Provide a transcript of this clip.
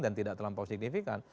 dan tidak terlampau signifikan